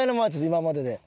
今までで。